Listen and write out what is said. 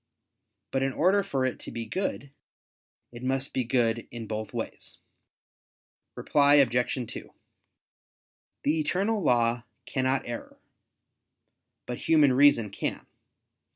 But in order for it to be good, it must be good in both ways. Reply Obj. 2: The eternal law cannot err, but human reason can.